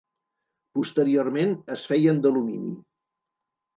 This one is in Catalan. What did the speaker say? Posteriorment es feien d'alumini.